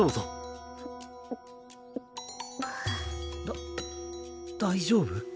だ大丈夫？